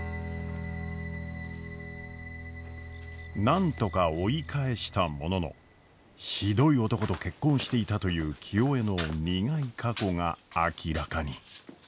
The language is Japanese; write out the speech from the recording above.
なんとか追い返したもののひどい男と結婚していたという清恵の苦い過去が明らかに。